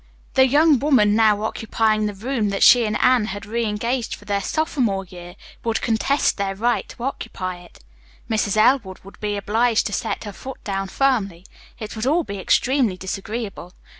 The young woman now occupying the room that she and Anne had re engaged for their sophomore year would contest their right to occupy it. Mrs. Elwood would be obliged to set her foot down firmly. It would all be extremely disagreeable.